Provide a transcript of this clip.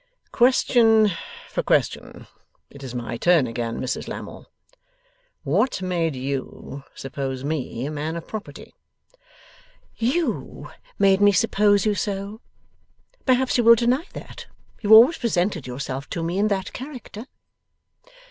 'Question for question. It is my turn again, Mrs Lammle. What made you suppose me a man of property?' 'You made me suppose you so. Perhaps you will deny that you always presented yourself to me in that character?